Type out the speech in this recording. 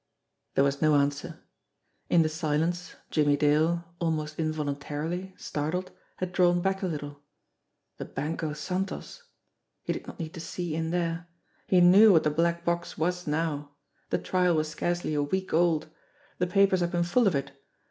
There was no answer. In the silence Jimmie Dale, almost involuntarily, startled, had drawn back a little. The Banco Santos ! He did not need to see in there. He knew what the black box was now ! The trial was scarcely a week old. The papers had been full of it.